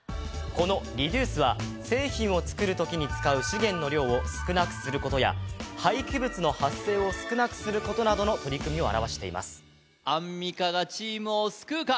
このリデュースは製品を作る時に使う資源の量を少なくすることや廃棄物の発生を少なくすることなどの取り組みを表していますアンミカがチームを救うか？